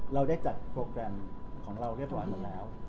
เราได้จัดโปรแกรมของเราเรียบร้อยหมดแล้ว